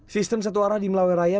sistem satu arah di melawe raya